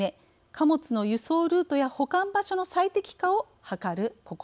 貨物の輸送ルートや保管場所の最適化を図る試みです。